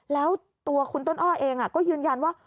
แล้วตัวคุณต้นอ้อเองก็ยืนยันว่า